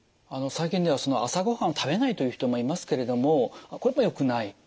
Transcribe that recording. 最近では朝ご飯を食べないという人もいますけれどもこれもよくない？